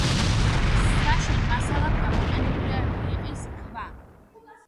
საშენ მასალად გამოყენებულია რიყის ქვა.